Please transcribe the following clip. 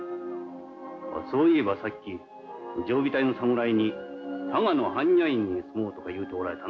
そういえばさっき常備隊の侍に多賀の般若院に住まうとか言うておられたな。